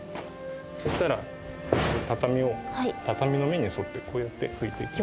そしたら畳の目に沿ってこうやって拭いていきます。